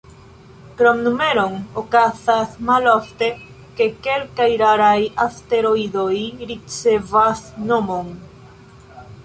Krom numeron, okazas malofte, ke kelkaj raraj asteroidoj ricevas nomon.